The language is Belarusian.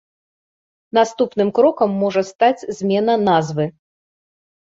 Наступным крокам можа стаць змена назвы.